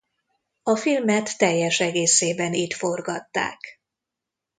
A filmet teljes egészében itt forgatták.